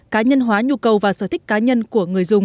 cá nhân hóa nhu cầu và sở thích cá nhân của người dùng